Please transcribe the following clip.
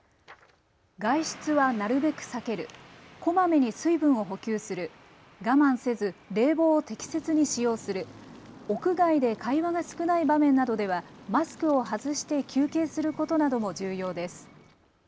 外出はなるべく避ける、こまめに水分を補給する、我慢せず冷房を適切に使用する、屋外で会話が少ない場面などではマスクを外して休憩することなども重要です。